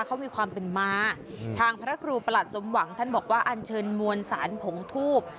เขามีความเป็นมาทางพระครูประหลัดสมหวังท่านบอกว่าอันเชิญมวลสารผงทูบ